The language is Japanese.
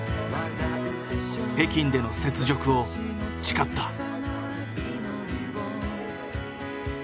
北京での雪辱を誓った。